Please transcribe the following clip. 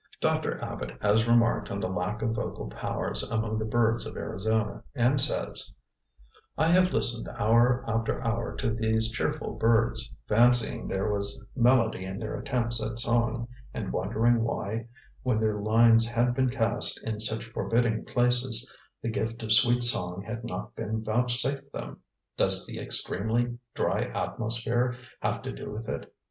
Dr. Abbott has remarked on the lack of vocal powers among the birds of Arizona, and says: "I listened hour after hour to these cheerful birds, fancying there was melody in their attempts at song, and wondering why, when their lines had been cast in such forbidding places, the gift of sweet song had not been vouchsafed them. Does the extremely dry atmosphere have to do with it?